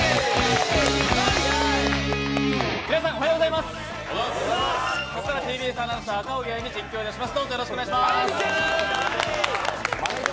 皆さん、おはようございますＴＢＳアナウンサー、赤荻歩が実況致します。